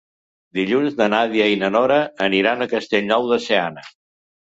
Dilluns na Nàdia i na Nora aniran a Castellnou de Seana.